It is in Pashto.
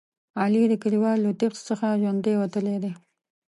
علي د کلیوالو له تېغ څخه ژوندی وتلی دی.